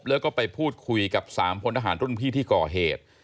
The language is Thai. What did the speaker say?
แล้วก็ไปพูดคุยกับ๓พลทหารรุ่นพี่ที่ก่อเหตุ